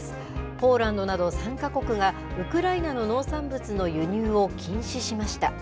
ポーランドなど３か国が、ウクライナの農産物の輸入を禁止しました。